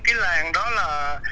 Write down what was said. cái làng đó là